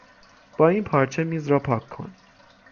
با این پارچه میز را پاک کن.